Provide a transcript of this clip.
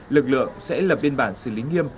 lực lượng sẽ lập biên bản xử lý nghiêm